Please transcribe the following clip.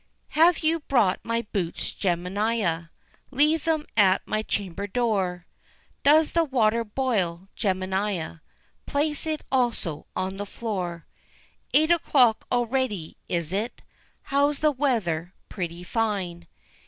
Have you brought my boots, Jemima? Leave them at my chamber door. Does the water boil, Jemima? Place it also on the floor. Eight o'clock already, is it? How's the weather pretty fine?